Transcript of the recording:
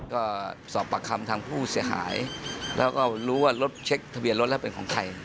ก็สอบปากคำทางผู้เสียหายแล้วก็รู้ว่ารถเช็คทะเบียนรถแล้วเป็นของใคร